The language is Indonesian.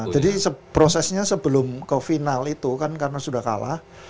jadi prosesnya sebelum ke final itu kan karena sudah kalah